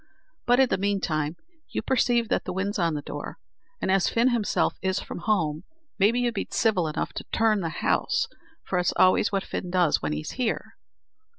But, in the meantime, you perceive that the wind's on the door, and as Fin himself is from home, maybe you'd be civil enough to turn the house, for it's always what Fin does when he's here."